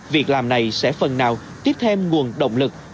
việc làm này sẽ phần nào tiếp thêm nguồn động lực